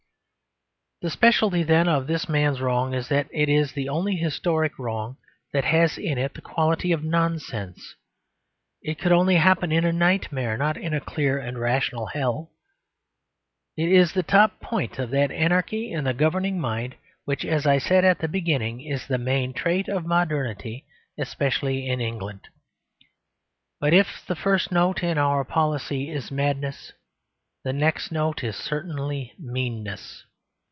The speciality then of this man's wrong is that it is the only historic wrong that has in it the quality of nonsense. It could only happen in a nightmare; not in a clear and rational hell. It is the top point of that anarchy in the governing mind which, as I said at the beginning, is the main trait of modernity, especially in England. But if the first note in our policy is madness, the next note is certainly meanness.